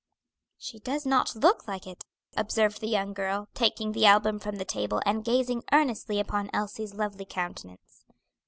"She does not look like it," observed the young girl, taking the album from the table and gazing earnestly upon Elsie's lovely countenance.